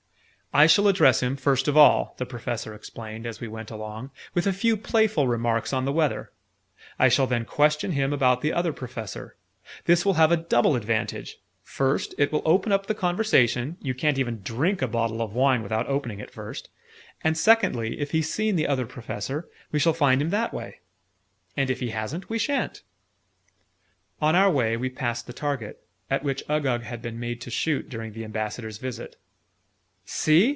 "I shall address him, first of all," the Professor explained as we went along, "with a few playful remarks on the weather. I shall then question him about the Other Professor. This will have a double advantage. First, it will open the conversation (you can't even drink a bottle of wine without opening it first): and secondly, if he's seen the Other Professor, we shall find him that way: and, if he hasn't, we sha'n't." On our way, we passed the target, at which Uggug had been made to shoot during the Ambassador's visit. "See!"